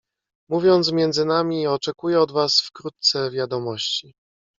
"Mówiąc między nami, oczekuję od was wkrótce wiadomości."